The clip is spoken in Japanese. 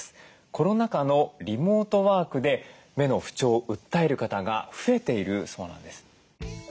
コロナ禍のリモートワークで目の不調を訴える方が増えているそうなんです。